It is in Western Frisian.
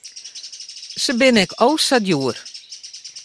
Se binne ek o sa djoer.